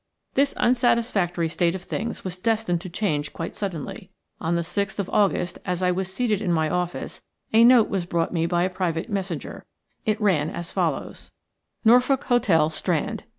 This unsatisfactory state of things was destined to change quite suddenly. On the 6th of August, as I was seated in my office, a note was brought me by a private messenger. It ran as follows:– "Norfolk Hotel, Strand.